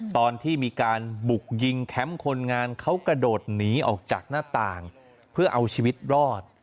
ตอนที่มีการบุกยิงแคมป์คนงานเขากระโดดหนีออกจากหน้าต่างเพื่อเอาชีวิตรอด